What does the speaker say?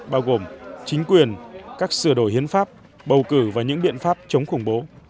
bao gồm chính quyền các sửa đổi hiến pháp bầu cử và những biện pháp chống khủng bố